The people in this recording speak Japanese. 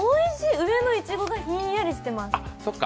上のいちごがひんやりしています。